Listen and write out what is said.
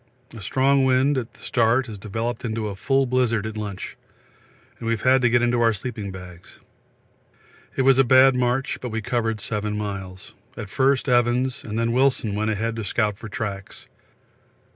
A strong wind at the start has developed into a full blizzard at lunch, and we have had to get into our sleeping bags. It was a bad march, but we covered 7 miles. At first Evans, and then Wilson went ahead to scout for tracks.